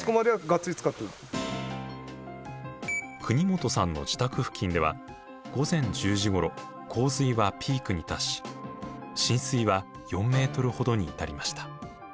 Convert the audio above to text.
國本さんの自宅付近では午前１０時ごろ洪水はピークに達し浸水は４ｍほどに至りました。